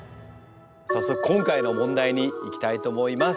早速今回の問題にいきたいと思います。